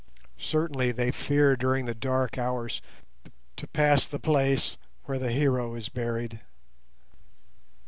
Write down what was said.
Certainly they fear during the dark hours to pass the place where the hero is buried.